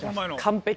完璧。